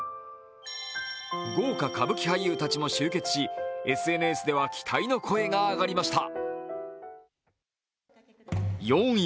豪華歌舞伎俳優たちも集結しＳＮＳでは期待の声が上がりました。